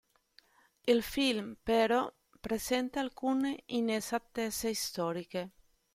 Il film, però, presenta alcune inesattezze storiche.